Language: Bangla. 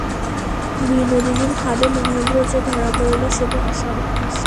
বিনোদিনীর ফাঁদে মহেন্দ্র যে ধরা পড়িল, সে তো আশারই দোষ।